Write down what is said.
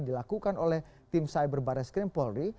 dilakukan oleh tim cyber barat screen polri